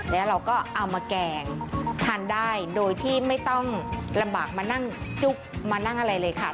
แล้วเราก็เอามาแกงทานได้โดยที่ไม่ต้องลำบากมานั่งจุ๊บมานั่งอะไรเลยค่ะ